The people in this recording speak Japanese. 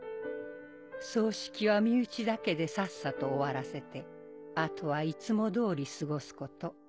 葬式は身内だけでさっさと終わらせてあとはいつも通り過ごすこと。